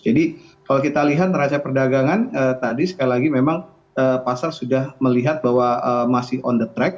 jadi kalau kita lihat neraca perdagangan tadi sekali lagi memang pasar sudah melihat bahwa masih on the track